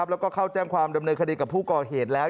แล้วก็เข้าแจ้งความดำเนินคดีกับผู้ก่อเหตุแล้ว